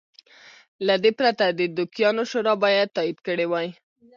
له دې پرته د دوکیانو شورا باید تایید کړی وای.